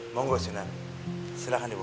mohon buat sunan silahkan dibuka